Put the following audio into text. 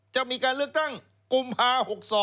จะมีการเลือกตั้งกุมภา๖๒